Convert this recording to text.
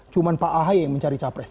cuman pak ahy yang mencari cawapres